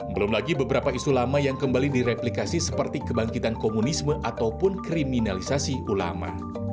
belum lagi beberapa isu lama yang kembali direplikasi seperti kebangkitan komunisme ataupun kriminalisasi ulama